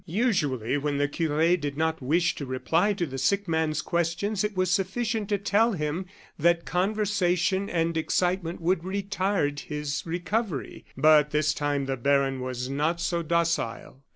Usually, when the cure did not wish to reply to the sick man's questions, it was sufficient to tell him that conversation and excitement would retard his recovery; but this time the baron was not so docile.